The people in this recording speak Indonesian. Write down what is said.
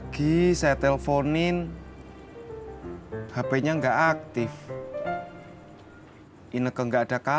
hidup emang kagak selamanya enak